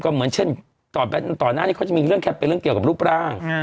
เหมือนเช่นก่อนหน้านี้เขาจะมีเรื่องแคปเป็นเรื่องเกี่ยวกับรูปร่าง